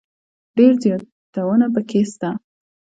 ډېر زياتونه پکښي سته.